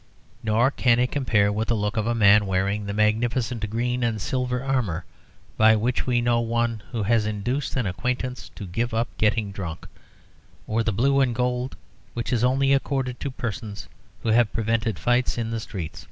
Nor can it compare with the look of a man wearing the magnificent green and silver armour by which we know one who has induced an acquaintance to give up getting drunk, or the blue and gold which is only accorded to persons who have prevented fights in the street.